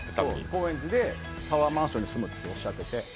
高円寺でタワーマンションに住むっておっしゃっていて。